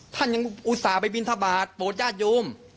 ท่านยังอุตส่าห์ไปบินทบาทโปรดญาติโยม